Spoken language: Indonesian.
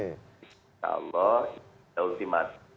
insya allah ini udah ultimatum